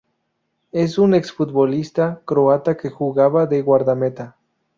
Es un ex-futbolista croata que jugaba de Guardameta.